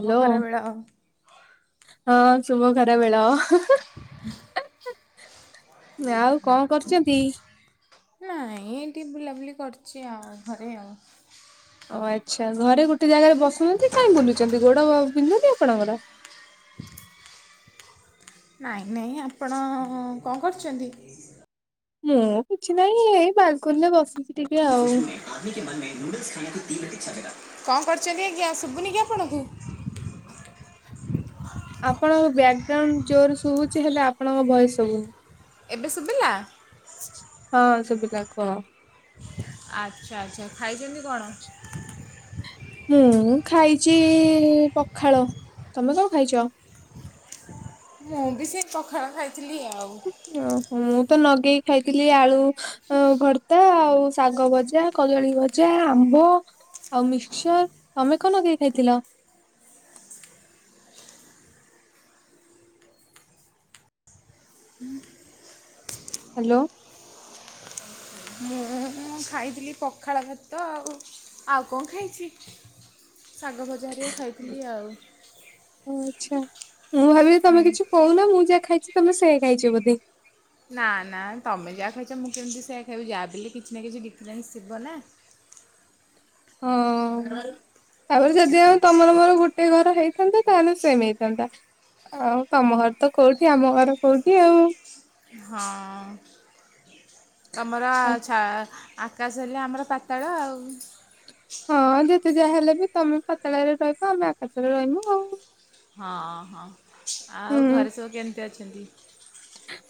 Hello ଖରାବେଳ। ହଁ ଶୁଭ ଖରାବେଳ ହା [inaudible] ଆଉ କଣ କରୁଛନ୍ତି? ନାଇଁ ଏଠି ବୁଲାବୁଲି କରିଛି ଆଉ ଘରେ ଆଉ। ଓ ଆଚ୍ଛା ଘରେ ଗୋଟେ ଜାଗାରେ ବସୁନାହାନ୍ତି, କାହିଁ ବୁଲୁଛନ୍ତି ଗୋଡ ବିନ୍ଧୁନି ଆପଣଙ୍କର? ନାଇଁ ନାଇଁ ଆପଣ କଣ କରୁଛନ୍ତି? ମୁଁ କିଛି ନହିଁ ଏଇ ବାଲକୁନିରେ ବସିଛି ଟିକେ ଆଉ। [inaudible] କଣ କରଛନ୍ତି ଆଞା, ଶୁଭୁନି କି ଆପଣଙ୍କୁ? ଆପଣଙ୍କ ବ୍ୟାକଗ୍ରାଉଣ୍ଡ ଜୋର ଶୁଭୁଛି ହେଲେ ଆପଣଙ୍କ ଭୟସ ସୁବୁ ଏବେ ଶୁଭିଲା। ହଁ ସୁବିଲା କୁହ। ଆଚ୍ଛା ଆଚ୍ଛା ଖାଇଛନ୍ତି କଣ? ମୁଁ ଖାଇଛି ପଖାଳ, ତମେ କଣ ଖାଇଛ? ମୁଁ ବି ସେ ପଖାଳ ଖାଇଥିଲି ଆଉ। ଓହୋ ମୁଁ ତ ନଗେଇକି ଖାଇଥିଲି ଆଳୁ ଅ ଭର୍ତା, ଆଉ ଶାଗ ଭଜା। କଦଳୀ ଭଜା, ଆମ୍ବ, ଆଉ ମିକ୍ସଚର, ତମେ କଣ ଲଗେଇ ଖାଇଥିଲ? ହ୍ୟାଲୋ ମୁଁ ଖାଇଥିଲି ପଖାଳ, ଭାତ ଆଉ ଆଉ କଣ ଖାଇଛି? ଶାଗ ଭଜା ଯାହା ଟିକେ ଖାଇଥିଲି ଆଉ। ଓ ଆଚ୍ଛା ମୁଁ ଭାବିଲି ତମେ କିଛି କହୁନ ମୁଁ ଯାହା ଖାଇଛି ତମେ ସେ ଖାଇଛ ବୋଧେ ଖାଇଚନ୍ତି। ନା ନା ତମେ ଯାହା ଖାଇଛ ମୁଁ କେମିତି ସେଇୟଆ ଖାଇବି ଯାହାଲେ ବି କିଛି ନା କିଛି ଡିଫରେନ୍ସ ଥିବ ନା। ହଁ। ତାପରେ ଯଦି ଆଉ ତମର ମୋର ଗୋଟେ ଘର ହେଇଥାନ୍ତା, ତାହେଲେ ସେମ୍ ହେଇଥାନ୍ତା। ଆଉ ତମ ଘର ତ କୋଉଠି, ଆମ ଘର କୋଉଠି? ହଁ। ତମର ଛା ଆକାଶ ହେଲେ, ଆମର ପାତାଳ ଆଉ। ହଁ ଯେତେ ଯାହା ହେଲେ ବି ତମେ ପାତାଳରେ ରହିବ, ଆମେ ଆକାଶରେ ରହିବୁ ଆଉ। ହଁ ହଁ ଆଉ ହୁଁ। ଘରେ ସବୁ କେମିତି ଅଛନ୍ତି?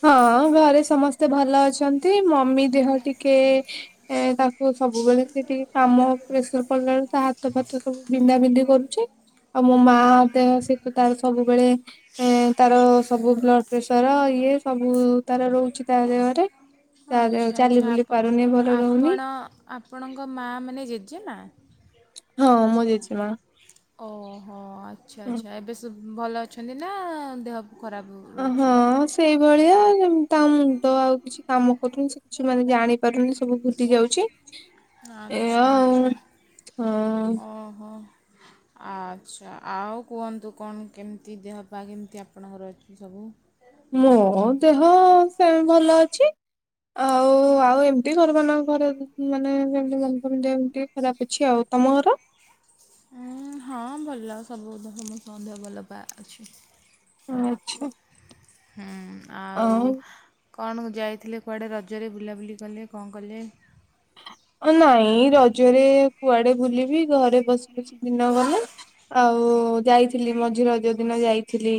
ହଁ ଘରେ ସମସ୍ତେ ଭଲ ଅଛନ୍ତି, ମମି ଦେହ ଟିକେ। ଏ ତାକୁ ସବୁବେଳେ ସେ ଟିକେ କାମ ପ୍ରେସର ପଡିଲା ବେଳକୁ ତା ହାତ ଫାତ ସବୁ ବିନ୍ଧା ବିନ୍ଧି କରୁଛି। ଆଉ ମୋ ମା ଦେହ ସେତ ତାର ସବୁବେଳେ। ଏଁ ତାର ସବୁ ବ୍ଲଡ ପ୍ରେସର। ଇଏ ସବୁ ତାର ରହୁଛି ତା ଦେ ହରେ। ଆଚ୍ଛା ଆଚ୍ଛା ଆପ ଭଲ ରହୁନି ଆପଣ ଆପଣଙ୍କ ମାଆ ମାନେ ଜେଜେମା। ହଁ ମୋ ଜେଜେମା। ଓ ହୋ ଆଚ୍ଛା ଆଚ୍ଛା, ଏବେ ସେ ଭଲ ଅଛନ୍ତି ନା ଦେହ ଖରାପ। ଅଁ ହଁ ରହୁଛି? ସେଇଭଳିଆ ଯେମିତି ତାଙ୍କ ମୁଣ୍ଡ ଆଉ କିଛି। କିଛି କାମ କରୁନି ସେ କିଛି ମାନେ ଜାଣି ପାରୁନି ସବୁ ଭୁଲି ଯାଉଛି। ଏଇଆ ଆଛା ଆଉ ଆଛା ହଁ। ଓ ହୋ। ଆଚ୍ଛା ଆଉ କୁହନ୍ତୁ କଣ କେମିତି ଦେହ ପା କେମିତି ଆପଣଙ୍କର ଅଛି ସବୁ। ମୋ ଦେହ ସେମ ଭଲ ଅଛି। ଆଉ ଆଉ ଏମତି ଘର ମାନଙ୍କରେ ମାନେ ଯେମିତି [inaudible] ଏମିତି। ବ୍ୟାପିଛି ଆଉ ତମ ଘର। ଉଁ ହଁ ଭଲ ସବୁ ସମସ୍ତ ଦେହ ଭଲ ପା ଅଛି। ହୁଁ ଆଚ୍ଛା। ହୁଁ ଆଉ କଣ ଯାଇଥିଲେ କୁଆଡ଼େ ରଜରେ ବୁଲାବୁଲି କଲେ କଁ କଲେ। ନାଇଁ ରଜରେ କୁଆଡେ ବୁଲିବି ଘରେ ବସି ବସି ଦିନ ଗଲା। ଆଉ ଯାଇଥିଲି ମଝି ରଜ ଦିନ ଯାଇଥିଲି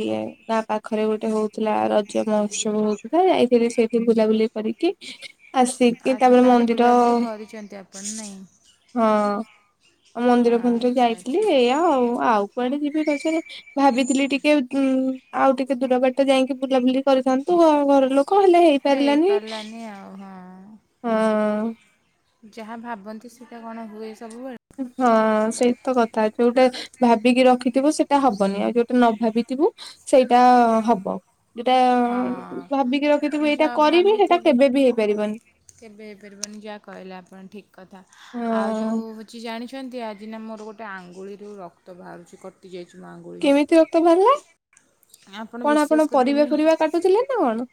ଗାଁ ପାଖରେ ଗୋଟେ ହଉ ଥିଲା ରଜ ମହୋତ୍ସବ ହଉଥିଲା ଯାଇଥିଲି ସେଇଠି ବୁଲାବୁଲି କରିକି। ଆସିକି ତା ଆଚ୍ଛା ପରେ ତାହେଲେ ମନ୍ଦିର। ବୁଲାବୁଲି କରିଛନ୍ତି ଆପଣ ନାହିଁ। ହଁ ମନ୍ଦିର ଫନ୍ଦିର ଆଚ୍ଛା ଯାଇଥିଲି, ଆଚ୍ଛା। ଏଇଆ ଆଉ ଆଉ। କୁଆଡେ ଯିବେ ରଜ ରେ। ଭାବିଥିଲି ଟିକେ ଉଁ ଆଉ ଟିକେ ଦୂର ବାଟ ଯାଇକି ବୁଲାବୁଲି କରିଥାନ୍ତୁ ଆଉ ଘର ଲୋକ। କହିଲେ ହେଇ ପାରିଲାନି, ହେଇପାରିଲାନି ଆଉ ହଁ ହଁ। ଯାହା ଭାବନ୍ତି ସେଟା କଣ ହୁଏ ସବୁବେଳେ। ହଁ ସେଇ ତ କଥା ଯୋଉଟା। ଭାବିକି ରଖିଥିବୁ ସେଇଟା ହବନି ଆଉ ଯୋଉଟା ନ ଭାବିଥିବୁ ସେଇଟା ହବ। ଯୋଉଟା ହଁ ଭାବିକି ରଖିଥିବୁ ଏଇଟା ଯାହା କରିବି ସେଇଟା ଭାବିଥିବେ କେବେ ବି ହେଇପାରିବନି। କେବେ ହେଇପାରିବନି ଯାହା କହିଲେ ଆପଣ ଠିକ୍। କଥା, ଆଉ ହଁ ଯୋଉ ହଉଛି ଜାଣିଛନ୍ତି ଆଜି ନା ମୋର ଗୋଟେ ଆଙ୍ଗୁଳିରୁ ରକ୍ତ ବାହାରୁଛି କଟ୍ ଟି ଯାଇଛି ମୋ ଆଙ୍ଗୁଳି। କେମତି ରକ୍ତ ବାହାରିଲା କଣ ବିଶ୍ୱାସ ଆପଣ ପରିବା କରିବେନି ଫରିବା କାଟୁଥିଲେ ନା କଣ।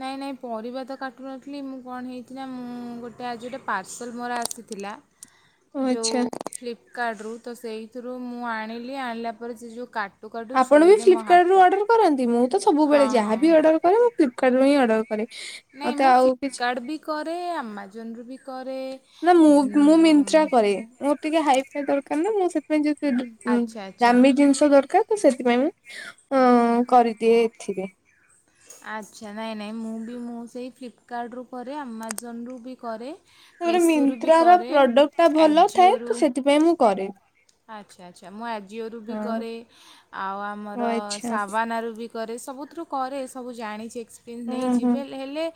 ନାଇଁ ନାଇଁ ପରିବା ତ କାଟୁ ନଥିଲି ମୁଁ କଣ ହେଇଚି ନା ମୁଁ ଗୋଟେ ଆଜି ଗୋଟେ ପାର୍ସଲ୍ ମୋର ଆସିଥିଲା। [unintelligible] ଯୋଉ ଫ୍ଲିପକାଡ୍ ରୁ ତ ସେଇଥିରୁ ମୁଁ ଆଣିଲି ଆଣିଲା ପରେ ସେ ଯୋଉ କାଟ ଆପଣ ବି ଫ୍ଲିପକାଡ୍ ରୁ ଅର୍ଡ଼ର କରନ୍ତି ମୁଁ ତ ହଁ ସବୁବେଳେ ଯାହା ହଁ ବି ଅର୍ଡ଼ର କରେ ମୁଁ ଫ୍ଲିପକାଡ୍ ରୁ ହିଁ ଅର୍ଡ଼ର। କରେ, ନାଇଁ ମତେ ମୁଁ ଆଉ କିଛି। ଫ୍ଲିପକାର୍ଟ ବି କରେ ଆମାଜନରୁୁ ବି କରେ। ନା ମୁଁ ମୁଁ ଯେଉଁ ମିନ୍ତ୍ରା କରେ ମୋର ଟିକେ ହାଇ ଫାଇ ଦରକାର ନା ମୁଁ ସେ ମାନେ ଜିନ୍ ଫିନ୍ ଉଁ ଆଚ୍ଛା ଆଚ୍ଛା ଦାମି ଜିନିଷ ଦରକାର। ତ ସେଥିପାଇଁ ମୁଁ ଅଁ କରିଦିଏ ଏଥିରେ। ଆଚ୍ଛା ନାଇଁ ନାଇଁ ମୁଁ ବି ମୁଁ ସେଇ ଫ୍ଲିପକାର୍ଟରୁୁ କରେ ଆମାଜନରୁୁ ବି କରେ। ମେସୋରୁ ବି ମିନ୍ତ୍ରାର କରେ ପ୍ରଡକ୍ଟ ଟା ଭଲ ଥାଏ ଆଜିଓରୁ ତ ସେଥିପାଇଁ ମୁଁ କରେ। ଆଚ୍ଛା ଆଚ୍ଛା ମୁଁ ଆଜିଓରୁୁ ବି ହଁ କରେ ଆଉ ଓ ଆମର ଆଚ୍ଛା ସାବାନା ରୁ ବିକରେ। କରେ ସବୁଥିରୁ କରେ ସବୁ ଜାଣିଛି ଏକ୍ସପିରିଏନ୍ସ ହୁଁ ହୁଁ ନେଇଛି ହେଲେ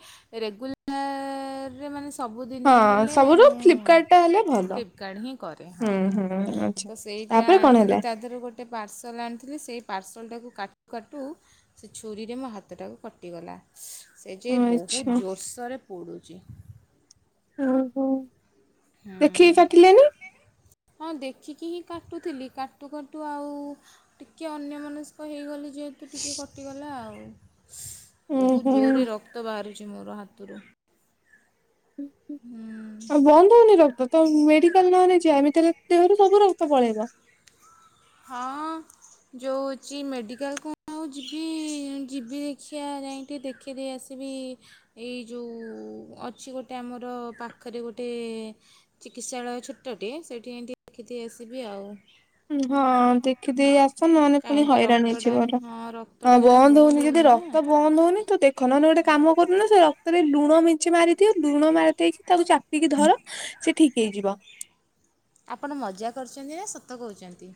ରେଗୁଲାର ରେ ମାନେ ସବୁଦିନିଆ ହଁ ହେଲେ ସବୁଠୁ ମୁଁ ଫ୍ଲିପକାର୍ଟ ଟା ହେଲେ ଭଲ। ଫ୍ଲିପକାର୍ଟ ହିଁ କରେ ହୁଁ ହଁ ହଁ। ହୁଁ ଆଚ୍ଛା ତ ସେଇଟା ତାପରେ କଣ ଆଣିଥିଲି ହେଲା ତା ଦେହରେ ଗୋଟେ ପାର୍ସଲ ଆଣିଥିଲି ସେଇ ଟାକୁ କାଟୁ କାଟୁ ସେ ଛୁରୀରେ ମୋ ହାତଟାକୁ କଟିଗଲା। ସେ ଯେ ବହୁତ ଆଚ୍ଛା ଜୋରସୋରରେ ପଡୁଛି। ଓହୋ ଦେଖିକି ହୁଁ। କାଟିଲେ ନୀ। ହଁ ଦେଖିକି ହିଁ କାଟୁଥିଲି କାଟୁ କାଟୁ ଆଉ ଟିକେ ଅନ୍ୟ ମନସ୍କ ହେଇଗଲି। ଯେହେତୁ ଟିକିକଟିଗଲା ଆଉ। ହୁଁ ବହୁତ ଜୋରରେ ହୁଁ ରକ୍ତ ବାହାରୁଛି ମୋର ହାତରୁ। ହୁଁ ବନ୍ଧ ହଉନି ରକ୍ତ ତ ମେଡିକାଲ ନହଲେଯା ଏମିତୀହେଲେ ଦେହରୁ ସବୁ ରକ୍ତ ପଳେଇବ। ହଁ ଯୋଉ ଯୋଉଛ ‌ ମେଡ଼ିକାଲ କୁ [unintelligible] ଆଉ ଯିବି ଯିବି ଦେଖିିବା ଯାଇକି ଦେଖି ଦେଇ ଆସିବି ଏଇ ଯୋଉ ଅଛି ଗୋଟେ ଆମର ପାଖରେ ଗୋଟେ ଚିକିତ୍ସାଳୟ ଛୋଟଟେ ସେଇଠି ଏମତି ଦେଖିକି ଆସିବି ଆଉ। ହଁ ଦେଖି ଦେଇ ଆ ମାନେ ପୁଣି କାହିଁକି ହଇରାଣ ରକ୍ତଟା ହୋଇଯିବାର ହଁ ରକ୍ତଟା ଜମା ବନ୍ଦ ହଉନି ଯଦି ହେଉନି ନା ରକ୍ତ ବନ୍ଦ ହଉନି ତ ଦେଖ ରଖନ ନହେ ଗୋଟେ କାମ କରୁ ନା ସେ ରକ୍ତରେ ଲୁଣ ମିଞ୍ଚି ମାରିଦିଅ ଲୁଣ ମାରି ଦେଇେଇକି ତାକୁ ଚା ଟିକେ ଧର ସେ ଠିକ୍ ହେଇଯିବ। ଆପଣ ମଜା କରୁଛନ୍ତି ନା ସତ କହୁଛନ୍ତି?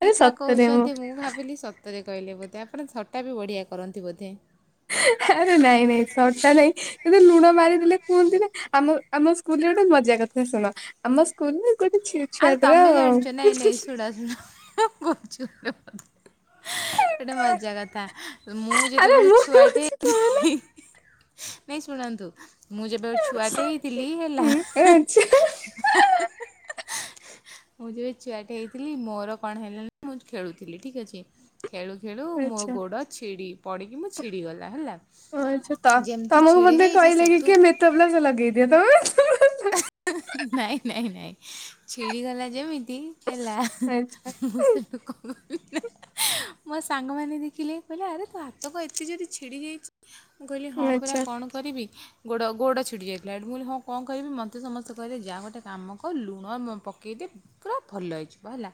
ଆରେ ସତରେ କହୁଛନ୍ତି ମୁଁ ଭାବିଲି ସତ ତୋତେ କହିଲେ ବୋଧେ ଆପଣ ଥଟା ବି ବଢ଼ିଆ କରନ୍ତି ବୋଧେ? ଆରେ ନାଇଁ ନାଇଁ ଥଟା ନାଇଁ କିୁ ଲୁଣ ମାରିଦେଲେ କୁହନ୍ତି ନା ଆମ ଆମ ସ୍କୁଲରେ ଗୋଟେ ମଜା କଥା ଶୁଣ ଆମ ସ୍କୁଲରେ ଗୋଟେ ଆଉ ତମେ ଜାଣିଛ ନା ଆଇ ନ ନେଇ ଛୁଆଟର ଶୁଣ ଶୁଣ ଗୋଟେ ମଜା କଥା ମୁଁ ଆରେ ଯେତେବେଳେ ମୁଁ ଛୁଆଟେ କହୁଛି କଣ ହେଲା ନାଇ ଶୁଣନ୍ତୁ ମୁଁ ଯେବେ ଛୁଆଟେ ହେଇଥିଲି ହେଲା ହୁଁ ଆଚ୍ଛା। ମୁଁ ଯେବେ ଛୁଆ ଟେ ହେଇଥିଲି ମୋର କଣ ହେଲେଣିି ମୁଁ ଖେଳୁଥିଲି ଠିକ୍ ଅଛି। ଖେଳୁ ଖେଳୁ ମୋ ଆଚ୍ଛା ଗୋଡ଼ ଛିଡ଼ି ପଡ଼ିକି ମୁଁ ଛିଡ଼ିଗଲା ହେଲା। ଆଚ୍ଛା ତା ଯେମିତି ତମକୁ ଛିଡ଼ି ବୋଧେ ଯାଇଛି କହିଲେ କି ସେଠୁ କିଏ ମେଥପ୍ଲସ ଲଗେଇଦିଏ ତମ ନାଇଁ ନାଇଁ ନାଇଁ ଛିଡିଗଲା ଯେମିତି ହେଲା ମୁଁ ସେଠୁ କ ମୋ ସାଙ୍ଗମାନେ ଦେଖିଲେ କହିଲେ ଆରେ ତୋ ହାତ କଣ ଏତେ ଯଦି ଛିଡ଼ି ଯାଇଛି? ମୁଁ କହିଲି ହଁ ପରା ଆଚ୍ଛା କଣ କରିବି? ଗୋଡ଼ ଗୋଡ଼ ଛିଟି ଯାଇଥିଲା ଏଠି ମୁଁି ହଁ କଣ କହିବି ମୋତେ ସମସ୍ତେ କହିଲେ ଯାହା ଗୋଟେ କାମ କର ଲୁଣ ପକେଇଦି ପୁରା ଭଲ ହେଇଯିବ ହେଲା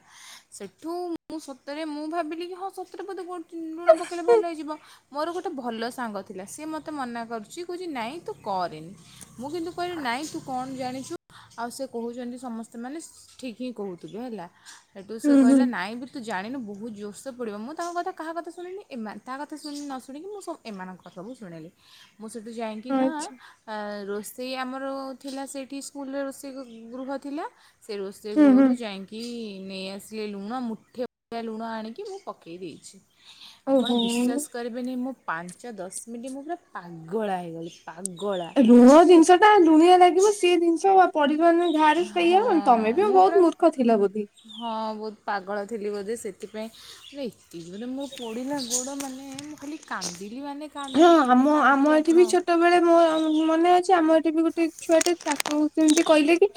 ସେଠୁ ମୁଁ ସତରେ ମୁଁ ଭାବିଲି କି ହଁ ସତରେ ବୋଧେ ଲୁଣ ପକେଇଲେ ଭଲ ହେଇଯିବ। ମୋର ଗୋଟେ ଭଲ ସାଙ୍ଗ ଥିଲା ସିଏ ମୋତେ ମନା କରୁଛି କହୁଛି ନାଇଁ ତୁ କରେନି। ମୁଁ କିନ୍ତୁ କହିଲି ନାଇଁ ତୁ କଣ ଜାଣିଛୁ ଆଉ ସେ କହୁଛନ୍ତି ସମସ୍ତେ ମାନେ ଠିକ୍ ହିଁ କହୁଥିବେ ହେଲା ସେଠୁ ସେ ହୁଁ ହୁଁ କହିଲା ନାଇଁ ବି ତୁ ଜାଣିନୁ ବହୁତ ଜୋରସ ପୋଡିବ। ମୁଁ ତାଙ୍କ କଥା କାହା କଥା ଶୁଣିନି ଏ କହା କଥା ଶୁଣିନି ନ ଶୁଣିକି ମୁଁ ସ ଏମାନଙ୍କ ସବୁ ଶୁଣିଲି ମୁଁ ସେଇଠୁ ଯାଇକିନା ଆଚ୍ଛା ରୋଷେଇ ଆମର ଥିଲା ସେଇଠି ସ୍କୁଲରେ ରୋଷେଇ ଗୃହ ଥିଲା ସେ ରୋଷେଇ ସେ ହୁଁ ହୁଁ ଗୃହରୁ ଯାଇକି ନେଇଆସିଲି ଲୁଣ ମୁଠେ ଭଆ ଲୁଣ ଆଣିକି ମୁଁ ପକେଇ ଦେଇଛି। ଆପଣ ଓହୋ। ବିଶ୍ୱାସ କରିବେନି ମୁଁ ପାଞ୍ଚ ଦଶ ମିନିଟ୍ ମୁଁ ପୁରା ପାଗଳା ହେଇଗଲି। ପାଗଳା। ଲୁଣ ମାନେ ଜିନିଷ ଟା ଲୁଣିଆ ଲାଗିବ ସି ଜିନିଷ ପରିବାର ଧାରଇଆ ତମେ ବି ହଁ ମୁଁ ବହୁତ ପୁରା ମୂର୍ଖ ଥିଲ ବୋଧେ ହଁ ବହୁତ ପାଗଳ ଥିଲି ବୋଧେ ସେଥିପାଇଁ ମ ଏତିକ ଜୋରେ ମୋ ପୋଡିଲା ଗୋଡ଼ ମାନେ ମୁଁ ଖାଲି କାନ୍ଦିଲି ମାନେ ହଁ କାନ୍ଦିଲି ଏତେ ଆମ ଆମ କାନ୍ଦିଲି ଏଠି ଆପଣ ବି ଛୋଟବେଳେ ମୋ ମନେ ଅଛି ଆମ ଏଠି ବି ଗୋଟେ ଛୁଆଟେ ତାକୁ ସେମିତି କହିଲେ କି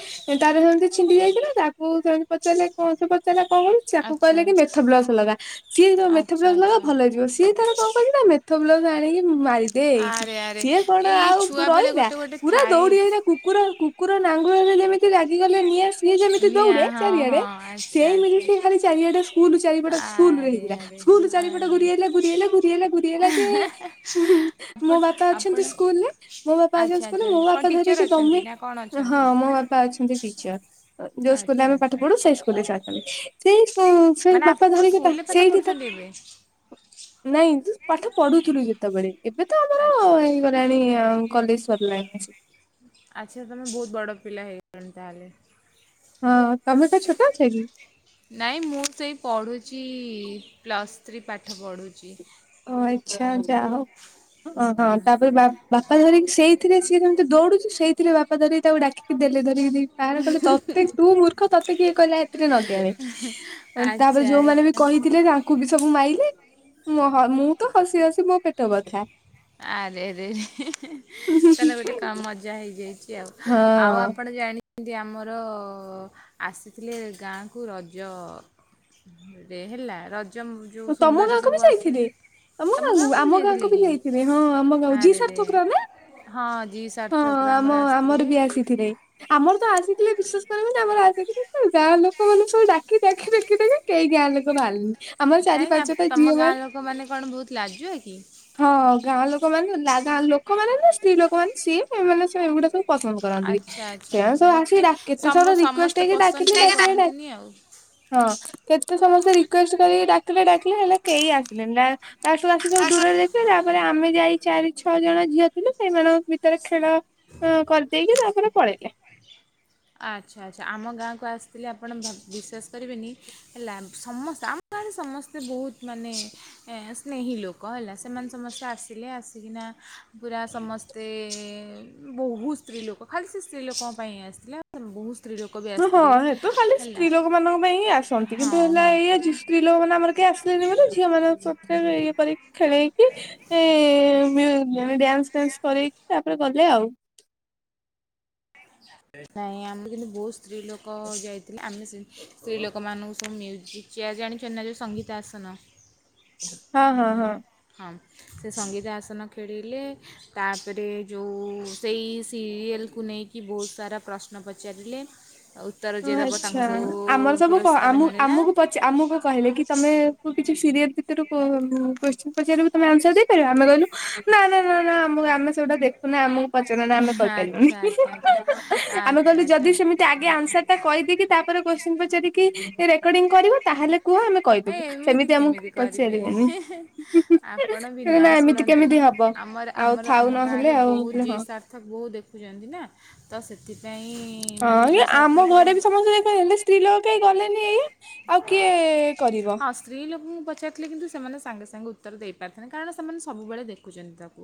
ତାର ସେମିତି ଛିଣ୍ଡି ଯାଇଥିଲା ତାକୁ ସେମିତି ପଚାରିଲେ କଣ ସେ ସେ କହିଲା କି କଣ ତାକୁ ଆଚ୍ଛା କହିଲେ କି ମେଥପ୍ଲସ ଲଗା। ସିଏ ଆଚ୍ଛା ମେଥପ୍ଲସ ଲଗା ଆଚ୍ଛା ଭଲ ହେଇ ଯିବ ସିଏ ତାର କଣ କରିଛି ନା ମେଥପ୍ଲସ ଆଣିକି ମାରିଦେଇଛି ଆରେ ଆରେ ସିଏ କଣ ଏଇ ଆଉ ଛୁଆବେଳେ ରହିଲା ଗୋଟେ ଗୋଟେ ପୁରା ଥାଏ ଦୌଡି ହେଇଲା କୁକୁର କୁ କୁକୁର ନାଙ୍ଗୁର ରେ ଯେମି ରାଗିଗଲେ ନିଏ ସିଏ ଯେମିତି ଦୌଡେ ନିଆଁ ହଁ ଚାରିଆଡେ ହଁ ଆଚ୍ଛା ସିଏ ମି ଆଚ୍ଛା ସିଏ ଖାଲି ଚାରିଆଡେ ସ୍କୁଲ ଚାରିପଟ ସ୍କୁଲ ରେ ଆରେ ହେଇଥିଲା ଆରେ ସ୍କୁଲୁ ଚାରିପଟ୍ ଆରେ ଘୁରି ଆଇଲା ଘୁରି ଆଇଲା ଘୁରି ଆଇଲା ଯେ [unintelligible] ମୋ ବାପା ଆପଣ ଅଛନ୍ତି ସ୍କୁଲ ରେ ମୋ ବାପା ଆଚ୍ଛା ଅଛନ୍ତି ସ୍କୁଲରେ ଆଚ୍ଛା ମୋ କ'ଣ ବାପା ଟିଚର୍ ଧରିକି ଅଛନ୍ତି ତମେ ନା କ'ଣ ହଁ ଅଛନ୍ତି ମୋ ବା ପା ଅଛନ୍ତି ଟିଚର ଯୋଉଁ ସ୍କୁଲ ରେ ଆଚ୍ଛା ଆମେ ଆଚ୍ଛା ପାଠ ପଢୁ ସେଇ ସ୍କୁଲ ରେ ସେ ଅଛନ୍ତି। ସେଇ ସେ ମାନେ ବାପା ଆପଣ ଧରିକି ତା ସ୍କୁଲରେ ପାଠ ସେଇଠି ତ ପଢ଼ୁଛନ୍ତି ଏବେ ନାଇଁ ପାଠ ପଢୁଥିଲୁ ଯେତେବେଳେ ଏବେ ତ ଆମର ଆଚ୍ଛା ହେଇଗଲା। ଲାଣୀ ଆଉ କଲେଜ ସରିଲାଣି ଆସିକି। ଆଛା ତମେ ବହୁତ ବଡ ପିଲା ହେଇଗଲଣି ତାହେଲେ। ହଁ ତମେ ସେ ଛୋଟ ଅଛ କି? ନାଇଁ ମୁଁ ତ ଏଇ ପଢ଼ୁଚି ପ୍ଲସ୍ ଥ୍ରୀ ପାଠ ପଢୁଚି। ଓ ଆଛା ଯା ହଉ ହଁ ତାପରେ ବା ବାପା ଧରିକି ସେଇଥିରେ ସିଏ ସେମିତି ଦୌଡୁଛି ସେଇଥିରେ ବାପା ଧରିକି ତାକୁ ଡାକି ଦେଲେ ଧରିକି ଦି ପାହେର କହିଲେ ତତେ ତୁ ମୂର୍ଖ ତତେ ଇଏ କିହିଲା ଏଥିରେ ଲଗେଇବା ପାଇଁ। ତାପରେ ଆଚ୍ଛା ଯୋଉମାନେ ବି ଆଚ୍ଛା। କହିଥିଲେ ତାଙ୍କୁ ବି ସବୁ ମାଇଲେ। ହଁ ମୁଁ ତ ହସି ହସି ମୋ ପେଟ ବଥା। ଆରେ ରେ ରେ ହେଁ ହେଁ ତାହେଲେ ଗୋଟେ କ ମଜା ହେଇଯାଇଛି ଆଉ, ଆଉ ଆପଣ ଜାଣି ଏମିତି ଆମର ଆସିଥିଲେ ଗାଁକୁ ରଜ ରେ ହେଲା ରଜ ଯେଉଁ ତମ ସୁନ୍ଦରୀ ଗାଁକୁ ସବୁ ବି ଯାଇଥିଲେ ଆସନ୍ତି ତମ ଗାଁକୁ ଆମ ଗାଁ କୁ ବି ଯାଇଥିବେ ହଁ ଆମୋ ଗାଁ କୁ ଆରେରେ ଜିସର୍ଥକ ର ନା ହଁ ଜି ହଁ ସାର୍ଥକରେ ଆମ ଆମର ଆସିଥିଲେ। ବି ଆସିଥିଲେ ଆମର୍ ଆସିଥିଲା ବିଶ୍ୱାସ କରିବନି ଆସିଥିଲେ ଯେ ଗାଁ ଲୋକ ମାନଙ୍କୁ ସବୁ ଡା ଦେଖି ଦେଖ ଦେଖି ଦେ କେହି ଗାଁ ଲୋକ ବାହାରନି କାହିଁକି ତମ ଗାଁ ଲୋକମାନେ କଣ ବହୁତ ଲାଜୁଆ କି? ହଁ ଗାଁ ଲୋକ ମାନେ ଗାଁ ଲୋକ ମାନେ ନା ସ୍ତ୍ରୀ ଲୋକ ମାନେ ସେମ୍ ଏମାନେ ଏଗୁଡା ସବୁ ପସନ୍ଦ କରନ୍ତି ନି ଆଚ୍ଛା ଆଚ୍ଛା ସେମାନେ ଆଚ୍ଛା ସବୁ ସେଠି ଆସିକି ସମ କେତେଥର ରିକୁଏଷ୍ଟ ସମସ୍ତେ ହେଇକି ପସନ୍ଦ ଡାକିଲେ, ଟିକେ ଡାକିଲେ, ଡାକିଲେ କରନ୍ତିନି ଆଉ। ହଁ କେତେ ସମସ୍ତେ ରିକ୍ୱେଷ୍ଟ କରିକି ଡାକିଲେ ଡାକିଲେ ହେଲେ କେହି ଆସିଲେନି ନା ତାଠୁ ଆସି ସବୁ ଦୂରରେ ଦେଖିବେ ତାପରେ ଆମେ ଯାଇ ଚାରି ଛଅ ଜଣ ଝିଅ ଥିଲୁ ସେଇମାନଙ୍କ ଭିତ ରେ ଖେଳ କରିଦେଇକି ତାପରେ ପଳେଇଲେ। ଆଛା ଆଛା ଆମ ଗାଁକୁ ଆସିଥିଲେ ଆପଣ ଭ ବିଶ୍ୱାସ କରିବେନି। ହେଲା ସମସ୍ତେ ଆମ ଗାଁରେ ସମସ୍ତେ ବହୁତ ମାନେ ଏ ସ୍ନେହୀ ଲୋକ ହେଲା ସେମାନେ ସମସ୍ତେ ଆସିଲେ ଆସିକିନା ପୁରା ସମସ୍ତ ସେ ବହୁତ ସ୍ତ୍ରୀ ଲୋକ ଖାଲି ସେ ସ୍ତ୍ରୀ ଲୋକଙ୍କ ପାଇଁ ଆସିଥିଲେ ବହୁତ ସ୍ତ୍ରୀ ଲୋକ। ବି ହ ହଁ ଆସିଥିଲେ ହେତ ଖାଲି ହେଲା ସ୍ତ୍ରୀ ଲୋକମାନଙ୍କ ପାଇଁ ହିଁ ଆସନ୍ତି କିନ୍ତୁ ହଁ ହେଲା ହଁ ଏଇଆ ସ୍ତ୍ରୀ ଲୋକ ମାନେ ଆମର କିଏ ଆସିଲେନି ବୋଲି ଝିଅ ମାନଙ୍କ ସାଥିରେ ଇଏ କରି ଖେଳେଇକି ଏ ମାନେ ଡ୍ୟାନ୍ସ ଫ୍ୟାନ୍ସ କରେଇକି ତାପରେ ଗଲେ ଆଉ। ନାଇଁ ଆମେ କିନ୍ତୁ ବହୁତ ସ୍ତ୍ରୀ ଲୋକ ଯାଇଥିଲେ ଆମେ ସେ ସ୍ତ୍ରୀ ଲୋକମାନଙ୍କୁ ସବୁ ମ୍ୟୁଜିକ ଚେୟାର ଜାଣିଚନ୍ତି ନା ଯଉ ସଙ୍ଗୀତ ଆସନ। ହଁ ହଁ ହଁ। ହଁ ସେ ସଙ୍ଗୀତ ଆସନ ଖେଳିଲେ। ତାପରେ ଯଉ ସେଇ ସିରିଏଲକୁ ନେଇକି ବହୁତ ସାରା ପ୍ରଶ୍ନ ପଚାରିଲେ। ଉତ୍ତର ଯିଏ ଦବ ଆଚ୍ଛା ତାଙ୍କୁ ସବୁ ଆମର ସବୁ କ ଆମ ପୁରସ୍କାର ମିଳିଲା। ଆମକୁ ପଚା ଆମକୁ କହିଲେ କି ତମେକୁ କିଛି ସିରିଏଲ ଭିତରୁ କୋ କୋଶ୍ଚିନ୍ ପଚାରିବୁ ତୁମେ ଆନ୍ସର ଦେଇ ପାରିବ ଆମେ କହିଲୁ ନା ନା ନା ଆମକୁ ଆମେ ସେଗୁଡା ଦେଖୁନା ଆମ ପଚାରନା ଆମେ କହିପାରିବୁନି ଆଚ୍ଛା ଆଚ୍ଛା ଆଚ୍ଛା ଆମେ ଆଚ୍ଛା କହିଲୁ ଯଦି ଆଚ୍ଛା ସେମ ଆଗେ ଆନ୍ସାର ଟା କହିଦେଇକି ତାପରେ କୋତ୍ସିନ ପଚାରି କି ରେକର୍ଡିଙ୍ଗ କରିବ ତାହେଲେ କୁହ ଆମେ ଆ କହିଦବୁ ଏମିତି ସେମିତି ଆମକୁ କେମିତି କରିବେ ପଚାରିବେନି ଆପଣ ବି ନା ଏମିତି ଶୁଣନ୍ତୁ କେମିତି ହବ? ଆମର ଆଉ ଥାଉ ନହେଲେ ଆଉ ମୁଁ କହିଲି ଜି ହଁ। ତାକୁ ସାର୍ଥକ ବହୁତ ଦେଖୁଛନ୍ତି ନା ତ ସେଥିପାଇଁ ମାନେ ଯି ସାର୍ଥକ ର ହଁ ଯେ ଏଇପା ଏଲେ ସ୍ତ୍ରୀ ଲୋକ କେହି ଗଲେନି ଏଇଆ ଆଉ କିଏ କରିବ? ହଁ ସ୍ତ୍ରୀ ଲୋକଙ୍କୁ ପଚାରିଥିଲେ କିନ୍ତୁ ସେମାନେ ସାଙ୍ଗେ ସାଙ୍ଗେ ଉତ୍ତର ଦେଇପାରିଥାନ୍ତେ କାରଣ ସେମାନେ ସବୁବେଳେ ଦେଖୁଛନ୍ତି ତାକୁ।